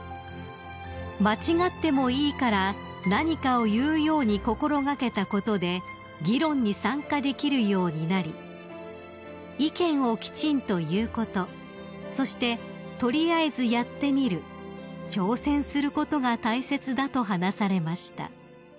［間違ってもいいから何かを言うように心掛けたことで議論に参加できるようになり意見をきちんと言うことそして取りあえずやってみる挑戦することが大切だと話されました］